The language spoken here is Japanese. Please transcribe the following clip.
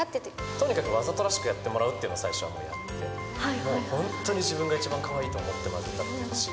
とにかくわざとらしくやってもらうというのが最初は思ってて、もう本当に自分が一番かわいいと思ってまず歌ってほしい。